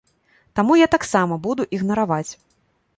Таму я таксама буду ігнараваць.